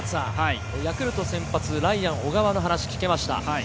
ヤクルト先発、ライアン小川の話が聞けました。